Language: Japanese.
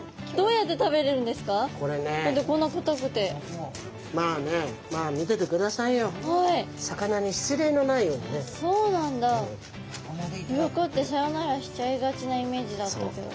鱗ってさよならしちゃいがちなイメージだったけど。